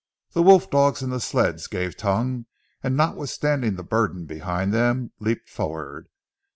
The wolf dogs in the sleds gave tongue, and notwithstanding the burden behind them, leaped forward.